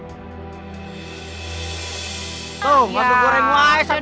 tuh mabuk goreng waes